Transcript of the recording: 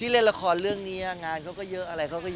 เล่นละครเรื่องนี้งานเขาก็เยอะ